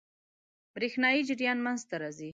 برېښنايي جریان منځ ته راځي.